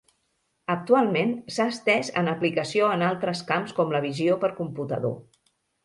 Actualment, s'ha estès en aplicació en altres camps com la visió per computador.